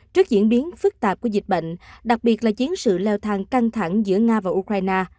trước diễn biến phức tạp của dịch bệnh đặc biệt là chiến sự leo thang căng thẳng giữa nga và ukraine